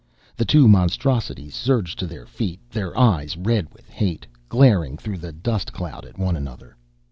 The two monstrosities surged to their feet, their eyes red with hate, glaring through the dust cloud at one another.